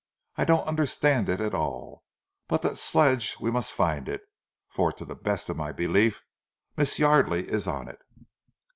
I don't understand it at all, but that sledge, we must find it, for to the best of my belief, Miss Yardely is on it."